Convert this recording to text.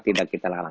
tidak kita larang